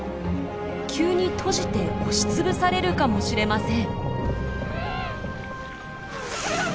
急に閉じて押し潰されるかもしれません。